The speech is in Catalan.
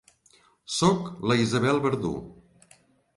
Soc la Isabel Verdú.